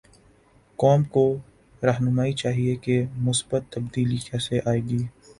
قوم کوراہنمائی چاہیے کہ مثبت تبدیلی کیسے آئے گی؟